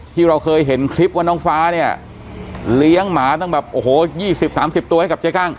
ที่เราเคยเห็นคลิปว่าน้องฟ้าเนี่ยเลี้ยงหมาตั้งแบบโอ้โห๒๐๓๐ตัวให้กับเจ๊กั้ง